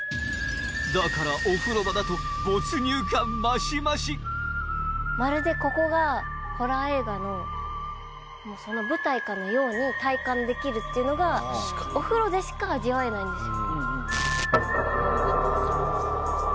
だからお風呂場だとまるでここがホラー映画のその舞台かのように体感できるっていうのがお風呂でしか味わえないんですよ。